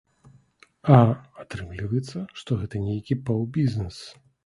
А атрымліваецца, што гэта нейкі паўбізнэс.